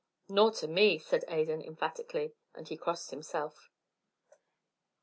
"Nor to me," said Adan, emphatically, and he crossed himself.